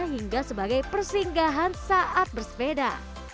hingga sebagai persinggahan saat bersepeda